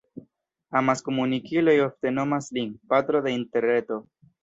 Amaskomunikiloj ofte nomas lin «patro de Interreto».